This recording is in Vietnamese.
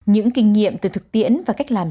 những kinh nghiệm từ thực tiễn và cách làm